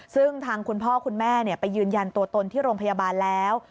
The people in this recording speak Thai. ซึ่งทางคุณพ่อคุณแม่ไปยืนยันตัวตนที่โรงพยาบาลแล้ว